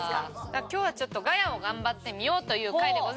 だから今日はちょっとガヤを頑張ってみようという回でございます。